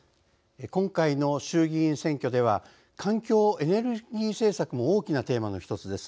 今回の衆議院選挙では環境・エネルギー政策も大きなテーマの一つです。